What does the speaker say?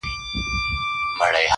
منصور میدان ته بیایي غرغړې دي چي راځي-